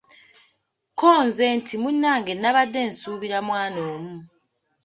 Kko nze nti munnange nabadde nsuubira mwana omu.